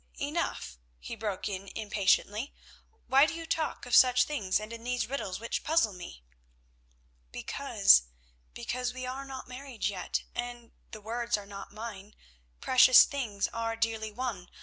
"Enough," he broke in impatiently. "Why do you talk of such things, and in these riddles which puzzle me?" "Because, because, we are not married yet, and—the words are not mine—precious things are dearly won.